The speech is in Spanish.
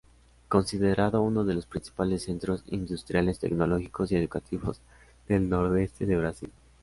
Considerada uno de los principales centros industriales, tecnológicos y educativos del Nordeste de Brasil.